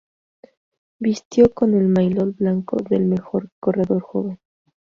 Vistió con el maillot blanco de el mejor corredor joven.